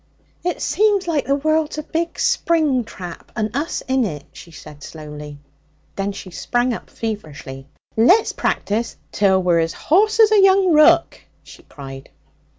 'It seems like the world's a big spring trap, and us in it,' she said slowly. Then she sprang up feverishly. 'Let's practise till we're as hoarse as a young rook!' she cried.